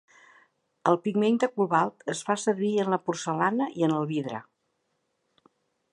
El pigment de cobalt es fa servir en la porcellana i en el vidre.